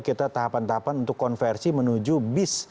kita tahapan tahapan untuk konversi menuju bis